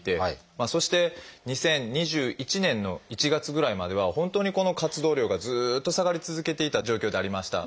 そして２０２１年の１月ぐらいまでは本当にこの活動量がずっと下がり続けていた状況ではありました。